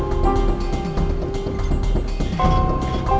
gue harus cari harddisk itu sekarang juga